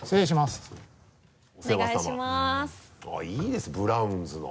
あぁいいですねブラウンズの。